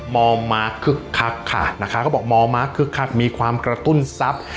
มองมาคึกคักค่ะนะคะเขาบอกมองมาคึกคักมีความกระตุ้นทรัพย์